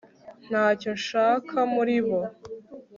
ntacyo nshaka muri bo